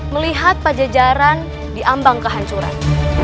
melihat pajajaran diambang kehancuran